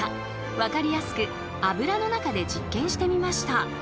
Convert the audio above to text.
分かりやすく油の中で実験してみました。